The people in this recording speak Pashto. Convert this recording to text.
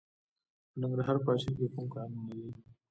د ننګرهار په اچین کې کوم کانونه دي؟